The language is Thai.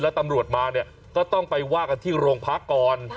แล้วตำรวจมาเนี่ยก็ต้องไปว่ากันที่โรงพักก่อน